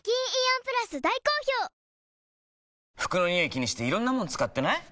気にしていろんなもの使ってない？